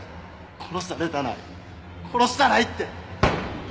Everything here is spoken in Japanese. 殺されたない殺したないって！